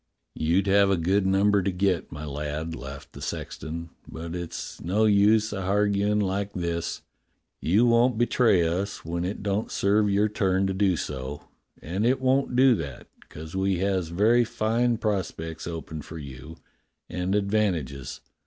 You'd have a good number to get, my lad," laughed the sexton. "But it's no use a harguin' like this. You won't betray us when it don't serve your turn to do so, and it won't do that, 'cos we has very fine pros pects open for you, and advantages.